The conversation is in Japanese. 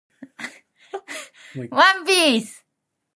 ワンピース